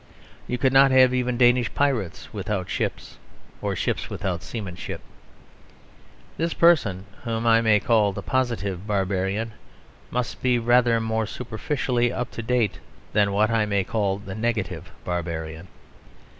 You could not have even Danish pirates without ships, or ships without seamanship. This person, whom I may call the Positive Barbarian, must be rather more superficially up to date than what I may call the Negative Barbarian.